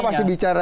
kita masih bicara